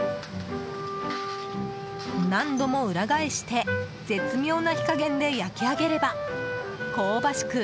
何度も裏返して絶妙な火加減で焼き上げれば香ばしく